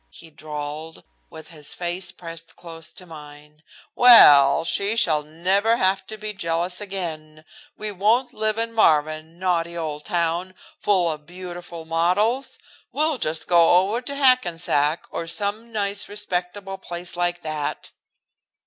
he drawled, with his face pressed close to mine. "Well, she shall never have to be jealous again. We won't live in Marvin, naughty old town, full of beautiful models. We'll just go over to Hackensack or some nice respectable place like that."